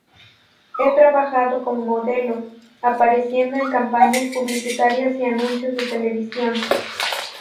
Ha trabajado como modelo, apareciendo en campañas publicitarias y anuncios de televisión.